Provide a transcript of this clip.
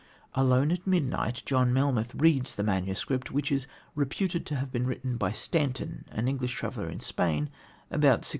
Alone at midnight, John Melmoth reads the manuscript, which is reputed to have been written by Stanton, an English traveller in Spain, about 1676.